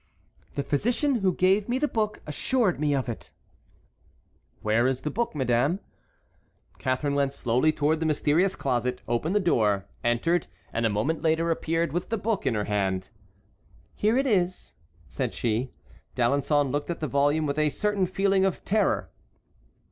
"The physician who gave me the book assured me of it." "Where is this book, madame?" Catharine went slowly towards the mysterious closet, opened the door, entered, and a moment later appeared with the book in her hand. "Here it is," said she. D'Alençon looked at the volume with a certain feeling of terror.